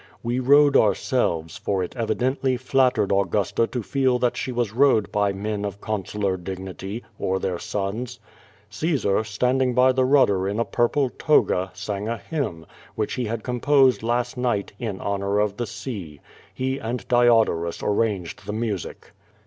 We row ed ourselves, for it evidently flattered Augusta to feel that she was rowed by men of consular dignity, or their sons. Caesar, standing by the rudder in a purple toga, sang a hymn, which he had composed last night, in honor of the sea. He and Diodorus arranged the music.